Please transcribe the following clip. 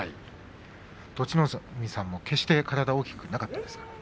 栃ノ海さんも決して体が大きくなかったですからね。